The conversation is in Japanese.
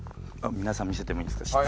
皆さんに見せてもいいですか？